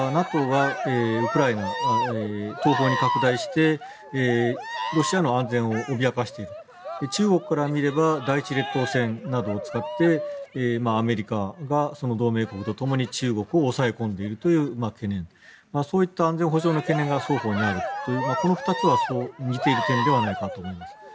もう１つは、ＮＡＴＯがウクライナ、東方に拡大してロシアの安全を脅かしている中国から見れば第一列島線などを使ってアメリカが同盟国とともに中国を抑え込んでいるという懸念そういった安全保障の懸念が双方にあるというこの２つは似ている点ではないかと思います。